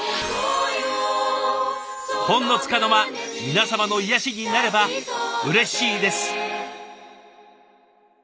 ほんのつかの間皆様の癒やしになればうれしいです。